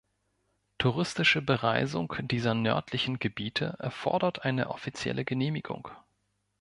Touristische Bereisung dieser nördlichen Gebiete erfordert eine offizielle Genehmigung.